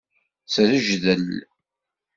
Srejdel.